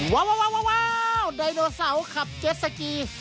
ว้าวไดโนเสาร์ขับเจ็ดสกี